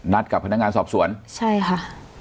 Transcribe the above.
กับพนักงานสอบสวนใช่ค่ะ